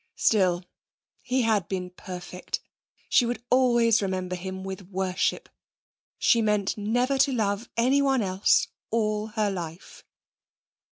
Still, he had been perfect. She would always remember him with worship. She meant never to love anyone else all her life.